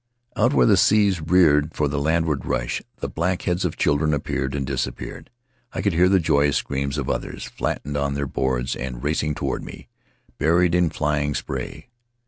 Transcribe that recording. Out where the seas reared for the landward rush the black heads of children appeared and disappeared; I could hear the joyous screams of others, flattened on their boards and racing toward me, buried in flying spray.